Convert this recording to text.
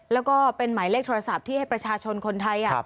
แล้วก็เป็นหมายเลขโทรศัพท์ที่ให้ประชาชนคนไทย